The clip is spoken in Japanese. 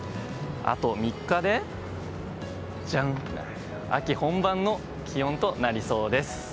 あと３日で秋本番の気温となりそうです。